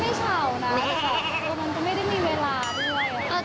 ไม่เฉานะแต่แบบมันก็ไม่ได้มีเวลาด้วย